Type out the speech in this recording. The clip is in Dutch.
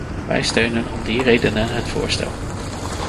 Wij steunen om die redenen het voorstel.